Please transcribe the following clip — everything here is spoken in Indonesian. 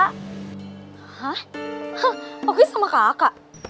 hah oki sama kakak